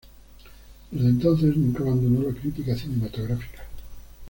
Desde entonces nunca abandona la crítica cinematográfica.